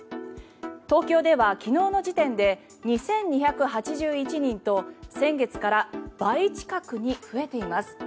東京では昨日の時点で２２８１人と先月から倍近くに増えています。